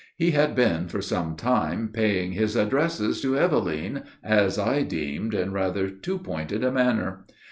He had been for some time paying his addresses to Eveline, as I deemed, in rather too pointed a manner.